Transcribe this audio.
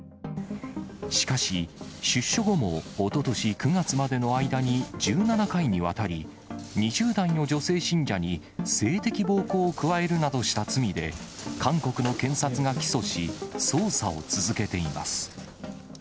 しかし、出所後もおととし９月までの間に１７回にわたり、２０代の女性信者に性的暴行を加えるなどした罪で、韓国の検察が起訴し、捜査を続けています。